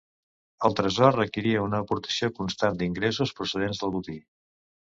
El tresor requeria una aportació constant d'ingressos procedents del botí.